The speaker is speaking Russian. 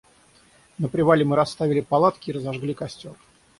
На привале мы расставили палатки и разожгли костёр.